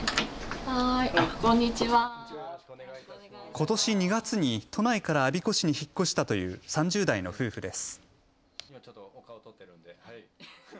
ことし２月に都内から我孫子市に引っ越したという３０代の夫婦です。